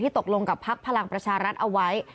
ตกลงกับพักพลังประชารัฐเอาไว้